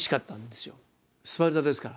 スパルタですから。